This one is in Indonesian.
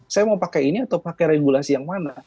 saya mau pakai ini atau pakai regulasi yang mana